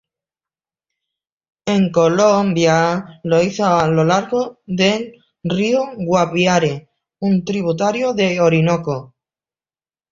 En Colombia, lo hizo a lo largo del río Guaviare, un tributario de Orinoco.